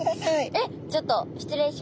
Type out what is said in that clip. えっちょっと失礼します。